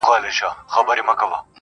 زما د زړه ډېوه روښانه سي,